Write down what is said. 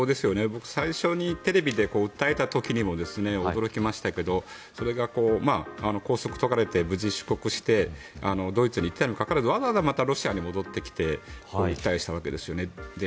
僕最初にテレビで訴えた時も驚きましたがそれが拘束を解かれて無事出国してドイツに行ったにもかかわらずわざわざまたロシアに戻ってきて拘束されたと。